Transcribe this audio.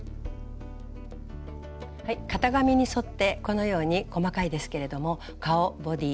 型紙に沿ってこのように細かいですけれども顔ボディーもも後ろ足